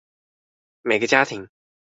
每一個家庭